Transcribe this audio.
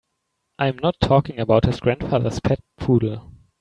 I'm not talking about his grandfather's pet poodle.